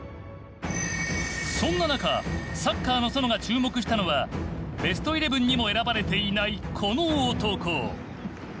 そんな中「サッカーの園」が注目したのはベストイレブンにも選ばれていないこの男。